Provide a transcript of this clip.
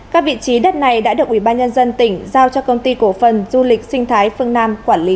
các vị trí đất này đã được ubnd tỉnh giao cho công ty cổ phần du lịch sinh thái phương nam quản lý